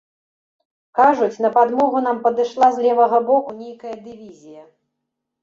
Кажуць, на падмогу нам падышла з левага боку нейкая дывізія.